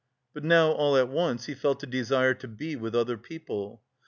But now all at once he felt a desire to be with other people.